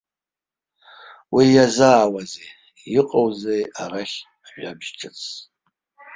Уи иазаауазеи, иҟоузеи арахь ажәабжь ҿыцс?